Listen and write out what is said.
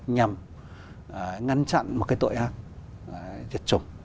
nhằm ngăn chặn một cái tội ác diệt chủng